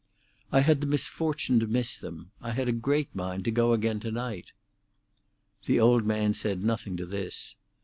"I had the misfortune to miss them. I had a great mind to go again to night." The old man said nothing to this.